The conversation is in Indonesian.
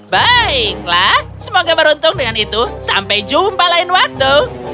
baiklah semoga beruntung dengan itu sampai jumpa lain waktu